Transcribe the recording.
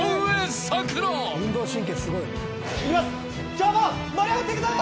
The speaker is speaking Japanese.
今日も盛り上がっていくぞー！